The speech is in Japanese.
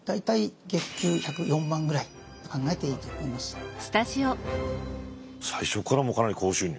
それを最初からもうかなり高収入。